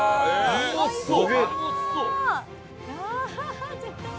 うまそう！